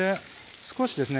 少しですね